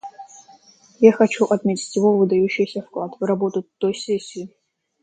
Я хочу отметить его выдающийся вклад в работу той сессии.